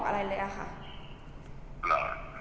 คุณพ่อได้จดหมายมาที่บ้าน